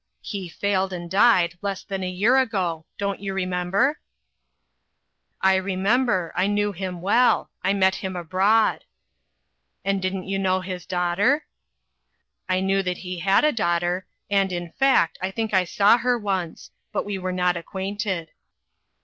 He failed, and died, less than a year ago ; don't you remember?" RECOGNITION. 3/3 " I remember. I knew him well. I met him abroad." "And didn't you know his daughter?" " I knew that he had a daughter, and, in fact, I think I saw her once ; but we were not acquainted."